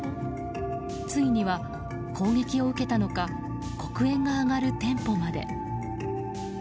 ついには攻撃を受けたのか黒煙が上がる店舗まで。